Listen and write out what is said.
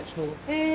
へえ。